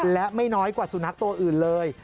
และไม่น้อยกว่าสุนัขตัวอื่นเลย